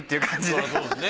そらそうですね